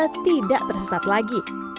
supaya anda tidak tersesat lagi